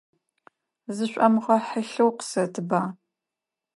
Зышӏомыгъэхьылъэу, къысэтба.